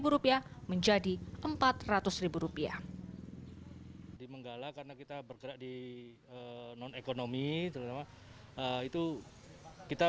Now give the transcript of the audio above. dua ratus lima puluh rupiah menjadi empat ratus rupiah di menggala karena kita bergerak di non ekonomi itu kita